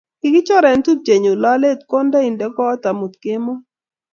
kokichore tupchenyu lolet konda inde kot amut kemoi